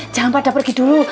jangan pada pergi dulu